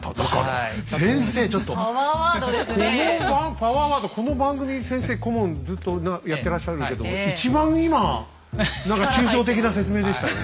このパワーワードこの番組先生顧問ずっと長くやってらっしゃるけども一番今何か抽象的な説明でしたよ？